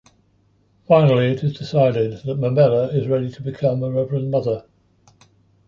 Finally it is decided that Murbella is ready to become a Reverend Mother.